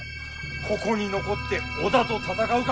ここに残って織田と戦うか